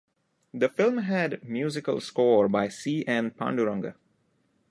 The film had musical score by C. N. Panduranga.